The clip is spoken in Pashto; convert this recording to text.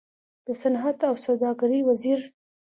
د صنعت او سوداګرۍ وزير